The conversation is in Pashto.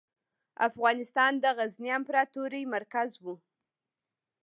افغانستان د غزني امپراتورۍ مرکز و.